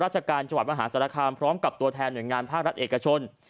ราชการจังหวัดมหาศาลคามพร้อมกับตัวแทนหน่วยงานภาครัฐเอกชน